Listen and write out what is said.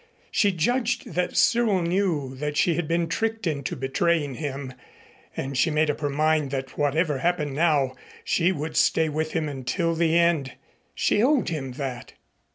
She judged that Cyril knew that she had been tricked into betraying him, and she made up her mind that, whatever happened now, she would stay with him until the end. She owed him that.